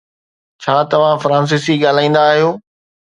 ڇا توهان فرانسيسي ڳالهائيندا آهيو؟